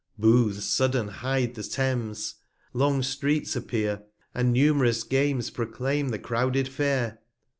Booths sudden hide the Thames, long Streets appear, And num'rous Games proclaim the crouded Fair.